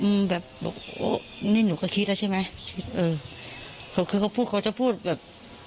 นี่เอิ้งก็คิดแล้วใช่ไหมคือเขาจะพูดแบบ